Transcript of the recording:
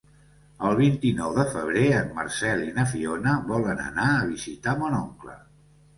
El vint-i-nou de febrer en Marcel i na Fiona volen anar a visitar mon oncle.